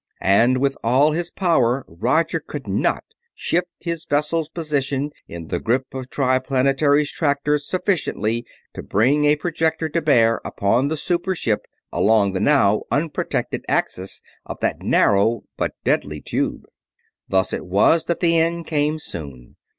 And with all his power Roger could not shift his vessel's position in the grip of Triplanetary's tractors sufficiently to bring a projector to bear upon the super ship along the now unprotected axis of that narrow, but deadly tube. Thus it was that the end came soon.